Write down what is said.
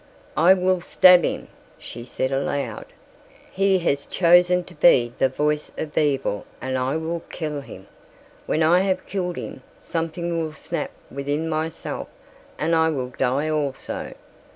"I will stab him," she said aloud. "He has chosen to be the voice of evil and I will kill him. When I have killed him something will snap within myself and I will die also.